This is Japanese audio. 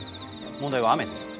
問題は雨です。